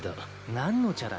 何の茶だ？